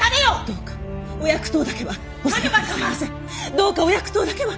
どうかお薬湯だけは！